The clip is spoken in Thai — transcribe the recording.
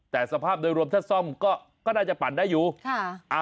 แต่สภาพโดยรวมถ้าซ่อมก็น่าจะปั่นได้อยู่ค่ะ